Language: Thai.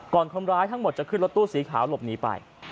คนร้ายทั้งหมดจะขึ้นรถตู้สีขาวหลบหนีไป